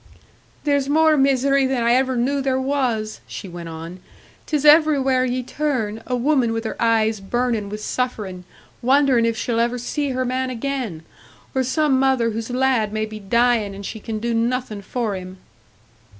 "There's more misery than I ever knew there was!" she went on. "'Tis everywhere ye turn, a woman with her eyes burnin' with suffering wondering if she'll ever see her man again! Or some mother whose lad may be dying and she can do nothin' for him!"